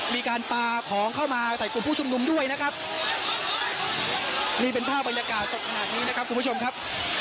มีการปลาของเข้ามาใส่กลุ่มผู้ชุมนุมด้วยนะครับนี่เป็นภาพบรรยากาศสดขนาดนี้นะครับคุณผู้ชมครับ